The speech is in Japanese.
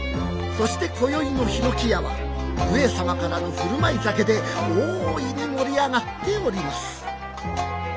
・そして今宵の檜屋は上様からのふるまい酒で大いに盛り上がっております